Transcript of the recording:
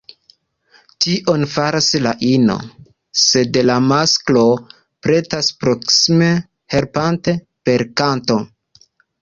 Tion faras la ino, sed la masklo pretas proksime helpante “per kanto”.